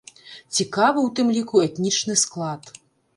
Цікавы, у тым ліку, этнічны склад.